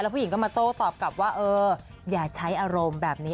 ผู้หญิงก็มาโต้ตอบกลับว่าเอออย่าใช้อารมณ์แบบนี้